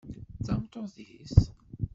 D tameṭṭut-is?